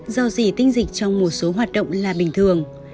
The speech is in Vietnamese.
do gì tinh dịch trong một số hoạt động là bình thường